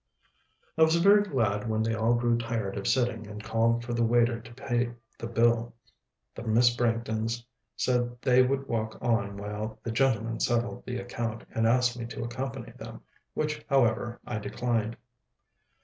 I was very glad when they all grew tired of sitting, and called for the waiter to pay the bill. The Miss Branghtons said they would walk on while the gentlemen settled the account, and asked me to accompany them; which however I declined.